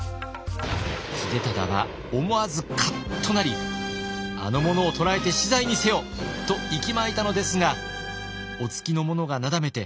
秀忠は思わずカッとなり「あの者を捕らえて死罪にせよ！」といきまいたのですがお付きの者がなだめて